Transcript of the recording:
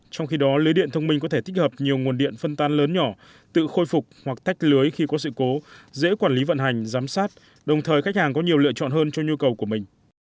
trong khi đó lưới điện thông minh có thể tích hợp nhiều nguồn điện phân tan lớn nhỏ tự khôi phục hoặc tách lưới khi có sự cố dễ quản lý vận hành giám sát đồng thời khách hàng có nhiều lựa chọn hơn cho nhu cầu của mình